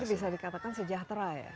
jadi bisa dikatakan sejahtera ya